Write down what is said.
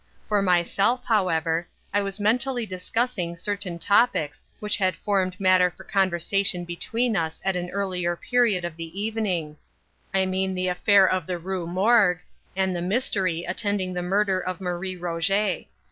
For myself, however, I was mentally discussing certain topics which had formed matter for conversation between us at an earlier period of the evening; I mean the affair of the Rue Morgue, and the mystery attending the murder of Marie Rogêt.